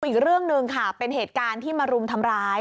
อีกเรื่องหนึ่งค่ะเป็นเหตุการณ์ที่มารุมทำร้าย